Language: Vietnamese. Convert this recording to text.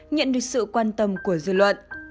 nhận được sự quan tâm của dư luận